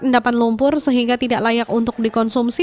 endapan lumpur sehingga tidak layak untuk dikonsumsi